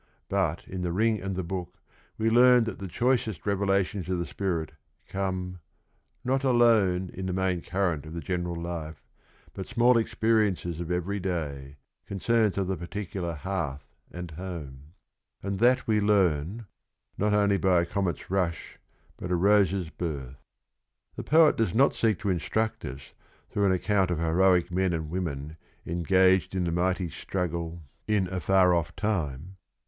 But in The Rin g and fh/>. Book we learn that the choicest revelations of the Spirit come "not alone In the main current of the general life But s mall experiences of eve ry day, Concerns of the particular hearth and home." and that we learn "not only by acomet's rush, but a rose's birth." The poet does not seek to instruct us through an account of heroic men and women engaged in a mighty struggle in a 234 THE RING AND THE BOOK far off time.